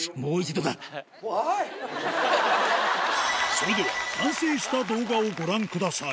それでは完成した動画をご覧ください